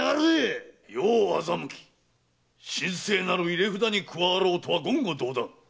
世を欺き神聖なる入札に加わろうとは言語道断。